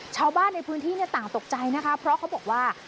ชาวบ้านในพื้นที่ต่างตกใจนะคะเพราะเขาบอกว่า